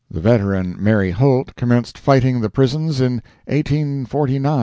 The veteran Mary Holt commenced fighting the prisons in 1849 or '50.